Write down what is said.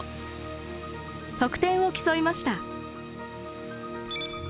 得点を競いました。